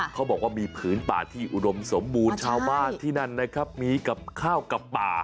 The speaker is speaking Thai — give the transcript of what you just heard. เขาบอกว่ามีผืนป่าที่อุดมสมบูรณ์ชาวบ้านที่นั่นนะครับมีกับข้าวกับป่า